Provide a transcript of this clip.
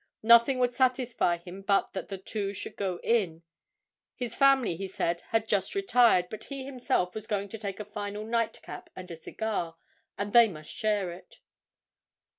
Nothing would satisfy him but that the two should go in; his family, he said, had just retired, but he himself was going to take a final nightcap and a cigar, and they must share it.